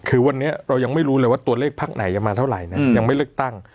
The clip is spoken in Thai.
คือวันนี้เรายังไม่รู้เลยว่าตัวเลขพักไหนจะมาเท่าไหร่นะยังไม่เลือกตั้ง